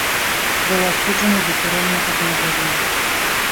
Быў асуджаны да турэмнага зняволення.